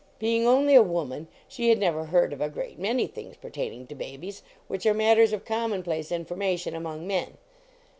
Being only a woman, she had never heard of a great many things pertaining to babies, which are matters of commonplace informa tion among men.